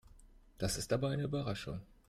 Das ist aber eine Überraschung.